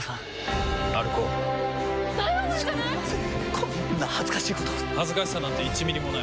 こんな恥ずかしいこと恥ずかしさなんて１ミリもない。